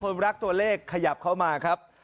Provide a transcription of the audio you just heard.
รักตัวเลขขยับเข้ามาครับ